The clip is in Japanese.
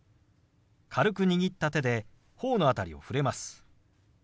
軽く握った手で頬の辺りを触れます。